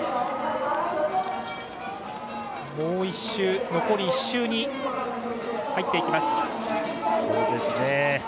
もう１周、残り１周に入ります。